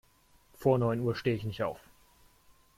Vor neun Uhr stehe ich nicht auf.